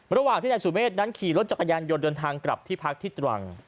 ระหว่างที่นี่แนะสูงเมฆนั้นขี่รถจักรยานยนต์ทางกลับกลับที่พักทศรีตรังค์